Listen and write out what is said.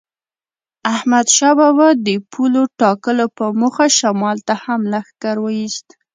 احمدشاه بابا د پولو ټاکلو په موخه شمال ته هم لښکر وایست.